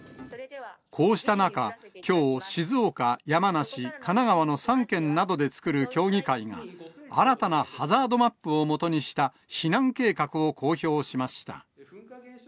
こうした中、きょう、静岡、山梨、神奈川の３県などで作る協議会が、新たなハザードマップをもとにした避難計画を公表しました。